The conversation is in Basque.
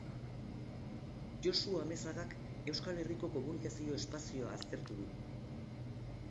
Josu Amezagak Euskal Herriko komunikazio espazioa aztertu du.